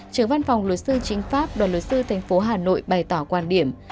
trưởng văn phòng luật sư chính pháp đoàn luật sư tp hà nội bày tỏ quan điểm